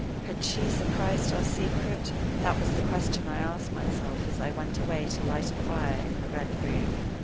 Had she surprised our secret? That was the question I asked myself as I went away to light the fire in the Red Room.